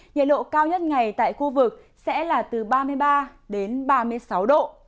nhiệt độ cao nhất ngày tại khu vực sẽ là từ ba mươi ba đến ba mươi sáu độ